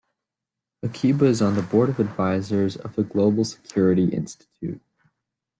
Akiba is on the Board of Advisors of the Global Security Institute.